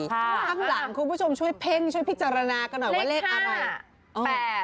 ข้างหลังคุณผู้ชมช่วยเพ่งช่วยพิจารณากันหน่อยว่าเลขอะไร